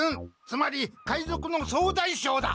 つまり海賊の総大将だ。